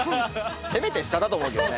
せめて下だと思うけどね。